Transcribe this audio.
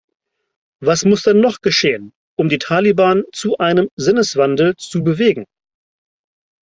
Was muss denn noch geschehen, um die Taliban zu einem Sinneswandel zu bewegen?